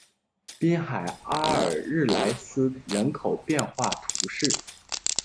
滨海阿尔日莱斯人口变化图示